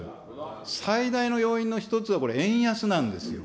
最大の要因の一つは、これ、円安なんですよ。